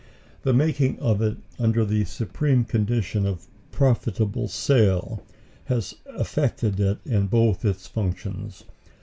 The making of it under the supreme condition of profitable sale has affected it in both its functions.